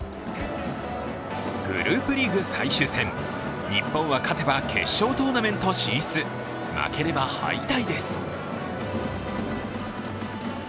グループリーグ最終戦、日本は勝てば決勝トーナメント進出、負ければ敗退です。